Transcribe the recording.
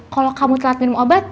kalau kamu telat minum obat